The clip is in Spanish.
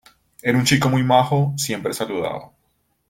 Era un chico muy majo, siempre saludaba.